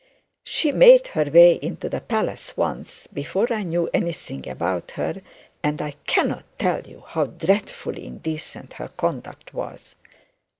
'She made her way into the palace once, before I knew anything about her; and I cannot tell you how dreadfully indecent her conduct was.'